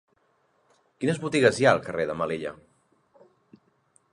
Quines botigues hi ha al carrer de Melilla?